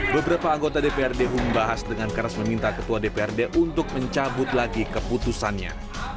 beberapa anggota dprd humbahas dengan keras meminta ketua dprd untuk mencabut lagi keputusannya